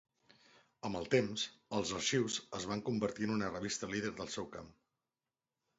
Amb el temps, els "Arxius" es van convertir en una revista líder del seu camp.